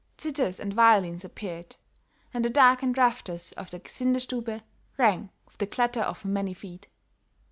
Zithers and violins appeared, and the darkened rafters of the Gesindestube rang with the clatter of many feet.